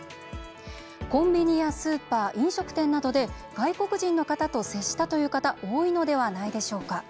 コンビニやスーパー飲食店などで外国人の方と接したという方多いのではないでしょうか。